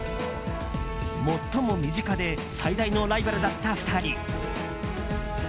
最も身近で最大のライバルだった２人。